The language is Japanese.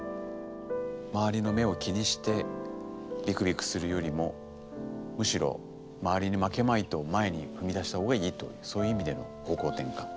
周りの目を気にしてビクビクするよりもむしろ周りに負けまいと前に踏み出した方がいいというそういう意味での方向転換。